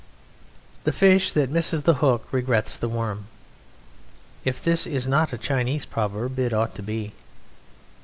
"The fish that misses the hook regrets the worm." If this is not a Chinese proverb it ought to be.